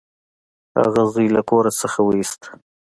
هغه زوی له کور څخه وویست.